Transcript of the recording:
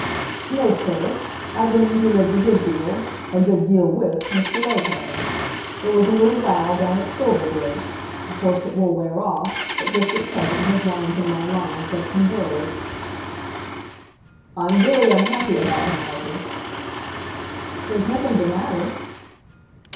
"No, sir. I believe he lives a good deal, a good deal with Mr. Lopez. There was a little row down at Silverbridge. Of course it will wear off, but just at present his lines and my lines don't converge." "I'm very unhappy about him, Arthur." "There's nothing the matter?"